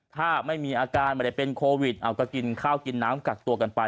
ถ้าไม่มีอาการไม่ได้เป็นโควิดเอาก็กินข้าวกินน้ำกักตัวกันไป